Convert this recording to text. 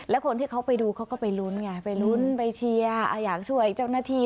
แล้วคนที่เขาไปดูเขาก็ไปลุ้นไงไปลุ้นไปเชียร์อยากช่วยเจ้าหน้าที่